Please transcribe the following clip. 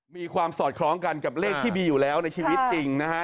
มีความสอดคล้องกันกับเลขที่มีอยู่แล้วในชีวิตจริงนะฮะ